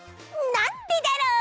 なんでだろう？